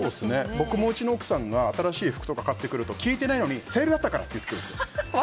僕も、うちの奥さんが新しい服とか買ってくると聞いてないのにセールあったからって言ってくるんですよ。